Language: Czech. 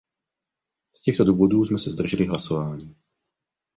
Z těchto důvodů jsme se zdrželi hlasování.